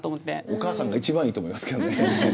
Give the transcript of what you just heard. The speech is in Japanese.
お母さんが一番いいと思いますけどね。